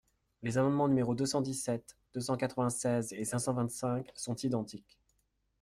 Les amendements numéros deux cent dix-sept, deux cent quatre-vingt-seize et cinq cent vingt-cinq sont identiques.